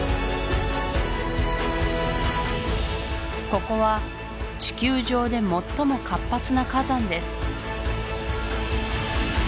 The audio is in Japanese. ここは地球上で最も活発な火山です